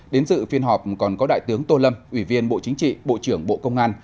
đến dự phiên họp còn có đại tướng tô lâm ủy viên bộ chính trị bộ trưởng bộ công an